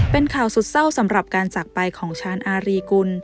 เป็นข่าวสุดเศร้าสำหรับการจากไปของชาญอารีกุล